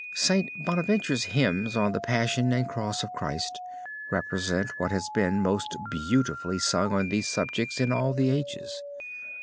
St. Bonaventure's hymns on the Passion and Cross of Christ represent what has been most beautifully sung on these subjects in all the ages.